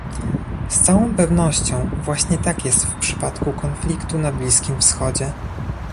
Z całą pewnością właśnie tak jest w przypadku konfliktu na Bliskim Wschodzie